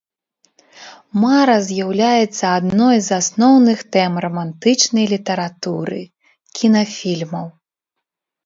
Мара з'яўляецца адной з асноўных тэм рамантычнай літаратуры, кінафільмаў.